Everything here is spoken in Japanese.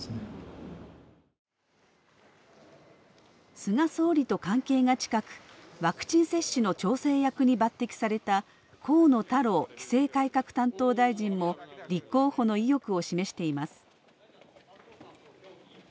菅総理と関係が近く、ワクチン接種の調整役に抜てきされた河野太郎規制改革担当大臣も立候補の意欲を示しています。